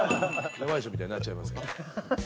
やばい人みたいになっちゃいますけど。